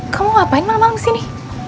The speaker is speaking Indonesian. kau mau ngapain malem malem disini